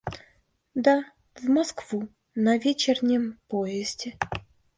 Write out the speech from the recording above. Да, в Москву, на вечернем поезде.